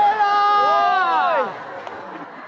หมดเลยล่ะ